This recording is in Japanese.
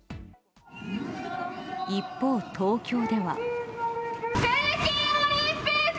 一方、東京では。